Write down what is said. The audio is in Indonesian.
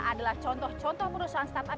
adalah contoh contoh perusahaan startup